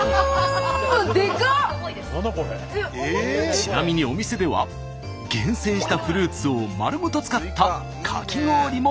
ちなみにお店では厳選したフルーツを丸ごと使ったかき氷も楽しめます。